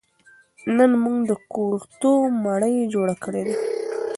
نن موږ د کورتو مړۍ جوړه کړې ده